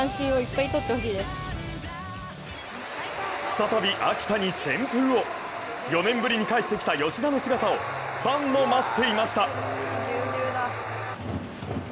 再び秋田に旋風を４年ぶりに帰ってきた吉田の姿をファンも待っていました。